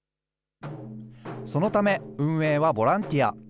そのため、運営はボランティア。